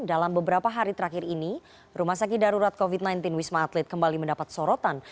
dalam beberapa hari terakhir ini rumah sakit darurat covid sembilan belas wisma atlet kembali mendapat sorotan